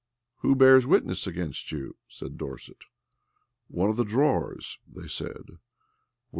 "Who bears witness against you?" said Dorset. "One of the drawers," they said.